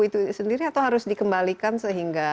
itu sendiri atau harus dikembalikan sehingga